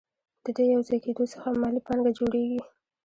د دې یوځای کېدو څخه مالي پانګه جوړېږي